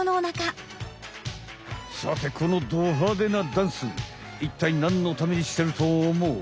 さてこのドはでなダンスいったいなんのためにしてると思う？